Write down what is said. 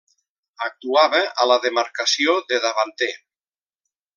Actuava a la demarcació de davanter.